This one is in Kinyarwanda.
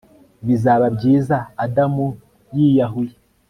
Bizaba byiza Adamu yiyahuye